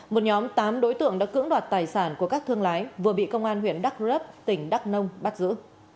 một nhóm tám đối tượng đã cưỡng đoạt tài sản của các thương lái vừa bị công an huyện đắk rớp tỉnh đắk nông bắt giữ